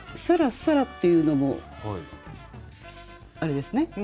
「さらさら」っていうのもあれですね